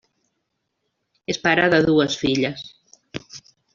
És pare de dues filles.